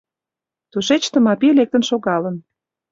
Тушеч Тмапий лектын шогалын.